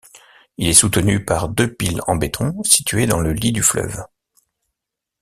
Il est soutenu par deux piles en béton situées dans le lit du fleuve.